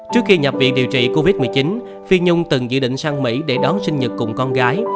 trước khi nhập viện điều trị covid một mươi chín phi nhung từng dự định sang mỹ để đón sinh nhật cùng con gái